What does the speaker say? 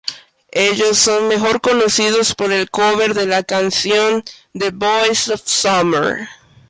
Ellos son mejor conocidos por el cover de la canción "The boys of summer".